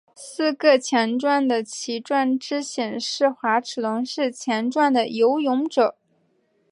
四个强壮的鳍状肢显示滑齿龙是强壮的游泳者。